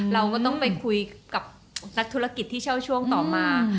เราก็ต้องไปคุยกับนักธุรกิจที่เช่าช่วงต่อมา